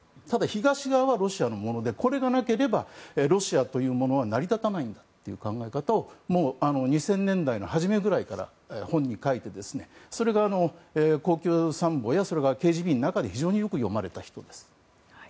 ただ、東側はロシアのものでこれがなければロシアというものは成り立たないんだという考え方を２０００年代の初めくらいから本に書いてそれが高級参謀やＫＧＢの中で非常によく読まれた人です。